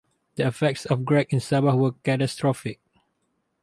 The effects of Greg in Sabah were catastrophic.